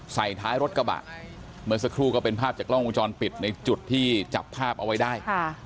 ใส่ท้ายรถกระบะเมื่อสักครู่ก็เป็นภาพจากกล้องวงจรปิดในจุดที่จับภาพเอาไว้ได้